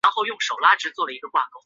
种族跟宗教原因已不再是问题。